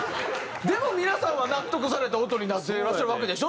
でも皆さんは納得された音になってらっしゃるわけでしょ？